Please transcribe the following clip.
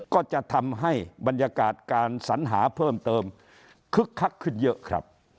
ก็จะทำให้บรรยากาศการสัญหาเพิ่มเติมคึกคักขึ้นเยอะครับ